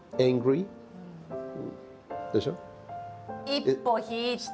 一歩引いて。